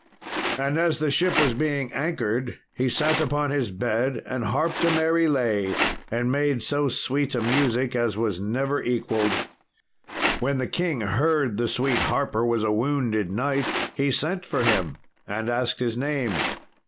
And as the ship was being anchored, he sat upon his bed and harped a merry lay, and made so sweet a music as was never equalled. When the king heard that the sweet harper was a wounded knight, he sent for him, and asked his name.